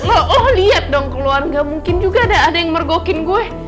oh liat dong keluan gak mungkin juga ada yang mergokin gue